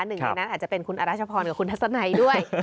หนึ่งในนั้นอาจจะเป็นคุณอรัชพรกับคุณทัศนัยด้วย